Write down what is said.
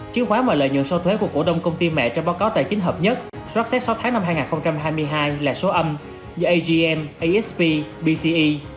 chứng khoán mở lợi nhuận sau thuế của cổ đông công ty mẹ trong báo cáo tài chính hợp nhất soát xét sáu tháng năm hai nghìn hai mươi hai là số âm như agm asp bce